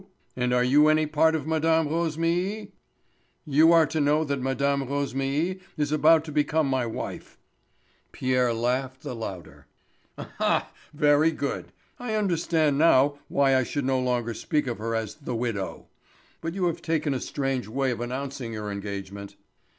And are you any part of Mme. Rosémilly?" "You are to know that Mme. Rosémilly is about to become my wife." Pierre laughed the louder. "Ah! ha! very good. I understand now why I should no longer speak of her as 'the widow.' But you have taken a strange way of announcing your engagement."